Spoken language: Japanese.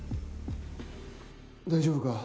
大丈夫か？